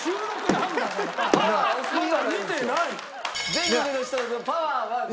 全国の人のパワーは。